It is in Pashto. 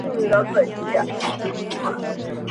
موږ ته یې کیسه په زمزمو کي رسېدلې ده٫